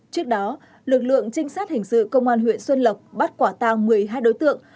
trước đó lực lượng trinh sát hình sự công an huyện xuân lộc bắt quả tàng một mươi hai đối tượng